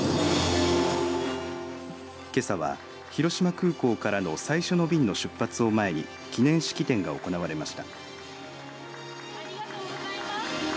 けさは広島空港からの最初の便の出発を前に記念式典が行われました。